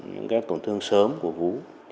những cái tổn thương sớm của vú